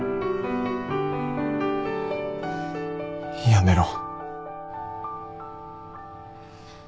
やめろ